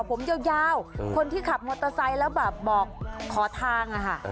ผมยาวคนที่ขับมอเตอร์ไซค์แล้วแบบบอกขอทางอะค่ะ